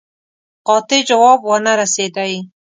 قاطع جواب ونه رسېدی.